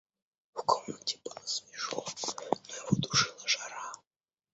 В комнате было свежо, но его душила жара.